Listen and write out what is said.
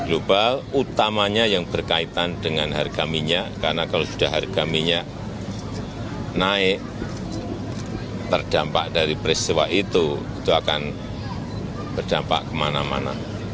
jokowi berharap meninggalnya presiden iran ibrahim raisi dalam kecelakaan helikopter di azerbaijan timur iran